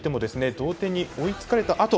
同点に追いつかれた後あと